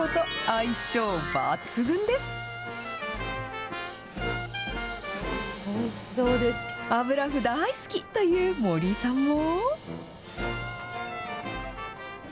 あぶらふ大好きという森井さんも。